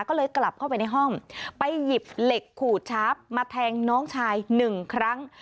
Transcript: ก็เลยกลับเข้าไปในห้องไปหยิบเหล็กขูดชาร์ฟมาแทงน้องชายหนึ่งครั้ง